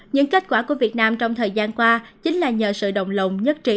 những kết quả của việt nam trong thời gian qua chính là nhờ sự đồng lòng nhất trí